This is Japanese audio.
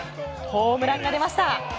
ホームランが出ました！